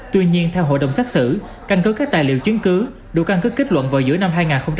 tuy nhiên theo hội đồng xét xử canh cơ các tài liệu chiến cứ đủ căn cứ kết luận vào giữa năm hai nghìn một mươi bảy